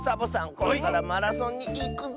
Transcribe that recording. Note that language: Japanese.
これからマラソンにいくぞ！